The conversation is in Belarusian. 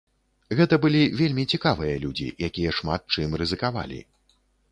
Гэта былі вельмі цікавыя людзі, якія шмат чым рызыкавалі.